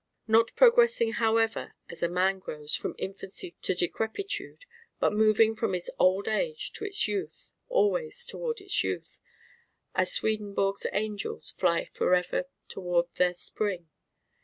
Not progressing however as a man grows, from infancy to decrepitude; but moving from its old age toward its youth, always toward its youth, as Swedenborg's Angels fly forever toward their Spring.